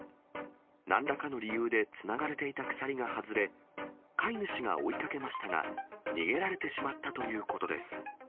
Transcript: なんらかの理由でつながれていた鎖が外れ、飼い主が追いかけましたが、逃げられてしまったということです。